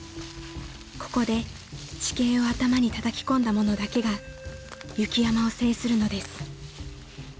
［ここで地形を頭にたたき込んだ者だけが雪山を制するのです］